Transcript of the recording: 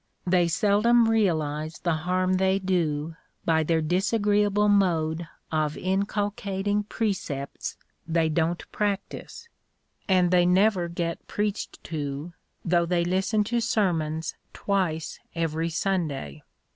They seldom realise the harm they do by their disagreeable mode of inculcating precepts they don't practise, and they never get preached to, though they listen to sermons twice every Sunday."